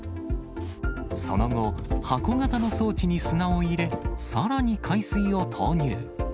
その後、箱型の装置に砂を入れ、さらに海水を投入。